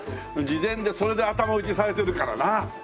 事前にそれで頭打ちされてるからな。